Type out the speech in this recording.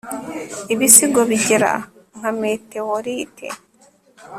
ibisigo bigera nka meteorite